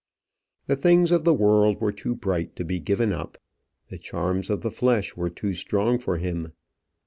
The things of the world were too bright to be given up. The charms of the flesh were too strong for him.